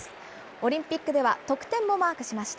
オリンピックでは得点もマークしました。